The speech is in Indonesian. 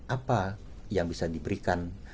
apa yang bisa diberikan